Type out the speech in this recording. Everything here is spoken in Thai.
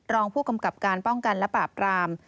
รองผู้กำกับการป้องกันและปราบราม